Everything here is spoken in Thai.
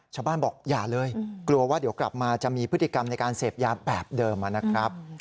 ชาวบ้านบอกอย่าเลยกลัวว่าเดี๋ยวกลับมาจะมีพฤติกรรมในการเสพยาแบบเดิมนะครับ